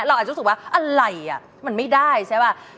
เราอาจจะรู้สึกว่าอะไรอ่ะมันไม่ได้ใช่ป่ะ